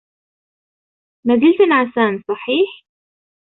ما زلت نعسان ، صحيح؟